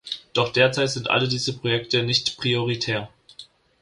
Doch derzeit sind alle diese Projekte nicht prioritär.